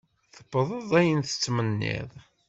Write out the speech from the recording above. Tewwḍeḍ ayen tettmenniḍ?